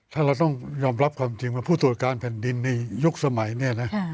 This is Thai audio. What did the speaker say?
ถ้าเราต้องยอมรับความจริงว่าผู้ตรวจการแผ่นดินในยุคสมัยเนี่ยนะ